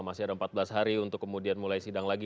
masih ada empat belas hari untuk kemudian mulai sidang lagi